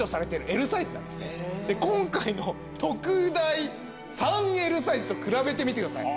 今回の特大３Ｌサイズと比べてみてください。